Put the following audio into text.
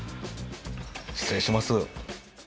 失礼します。